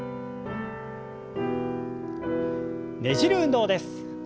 ねじる運動です。